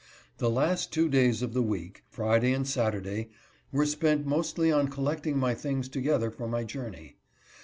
The last two days of the week, Friday and Saturday, were spent mostly in collecting my things together for my journey.